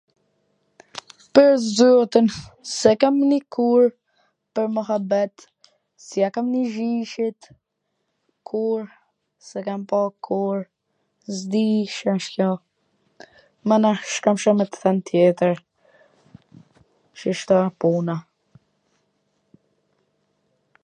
Pwr zotin, s e kam nii kurr pwr muhabet, s ia kam nii gjyshit kurr, s e kam pa kurr, s di C wsht kjo, mana s kam Ca me t thwn tjetwr, shishto a puna.